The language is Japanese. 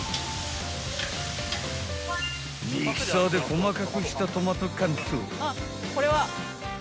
［ミキサーで細かくしたトマト缶と］